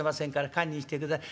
堪忍してください。